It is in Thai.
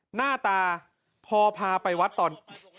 หน้าตาพอพาไปวัดตอน